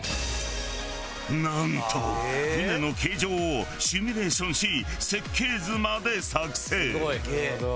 なんと舟の形状をシミュレーションし設計図まで作製。